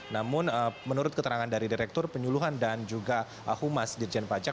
namun menurut keterangan dari direktur penyuluhan dan juga humas dirjen pajak